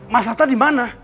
mas arta dimana